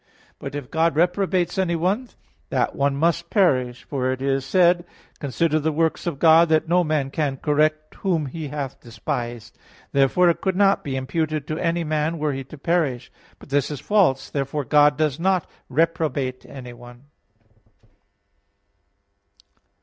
But if God reprobates anyone, that one must perish. For it is said (Eccles. 7:14): "Consider the works of God, that no man can correct whom He hath despised." Therefore it could not be imputed to any man, were he to perish. But this is false. Therefore God does not reprobate anyone.